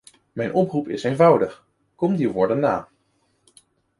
Mijn oproep is eenvoudig: kom die woorden na.